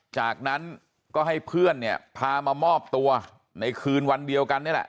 จากนั้นก็ให้เพื่อนเนี่ยพามามอบตัวในคืนวันเดียวกันนี่แหละ